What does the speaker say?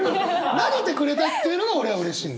投げてくれたっていうのが俺はうれしい。